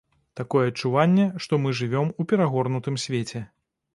Такое адчуванне, што мы жывём у перагорнутым свеце.